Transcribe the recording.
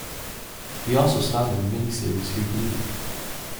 He also starred in the miniseries "Houdini".